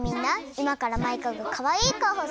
いまからマイカがかわいいかおをするよ！